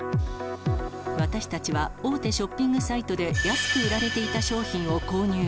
私たちは、大手ショッピングサイトで安く売られていた商品を購入。